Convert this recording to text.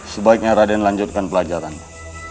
sebaiknya raden lanjutkan pelajarannya